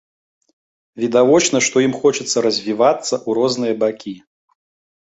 Відавочна, што ім хочацца развівацца ў розныя бакі.